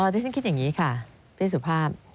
ที่ฉันคิดอย่างนี้ค่ะพี่สุภาพ